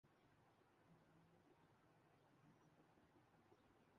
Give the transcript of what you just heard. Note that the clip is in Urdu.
مجھے اس سے کوئی فرق نہیں پڑتا۔